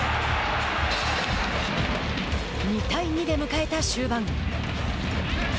２対２で迎えた終盤。